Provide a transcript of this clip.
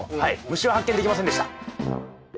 虫は発見できませんでした。